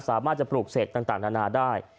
สามารถจะปลูกเสกต่างนานาได้